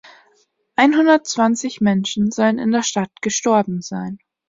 Einhundertzwanzig Menschen sollen in der Stadt gestorben sein.